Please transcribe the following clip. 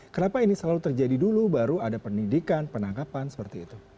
kenapa ini selalu terjadi dulu baru ada pendidikan penangkapan seperti itu